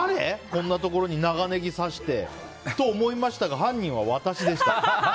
こんなところに長ネギ挿してと思いましたが犯人は私でした。